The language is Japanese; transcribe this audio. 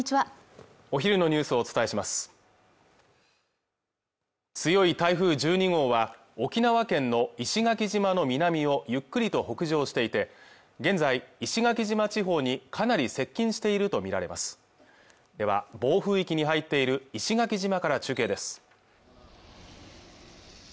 お昼のニュースをお伝えします強い台風１２号は沖縄県の石垣島の南をゆっくりと北上していて現在石垣島地方にかなり接近していると見られますでは暴風域に入っている石垣島から中継です